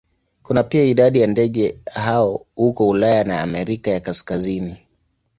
Kuna pia idadi ya ndege hao huko Ulaya na Amerika ya Kaskazini.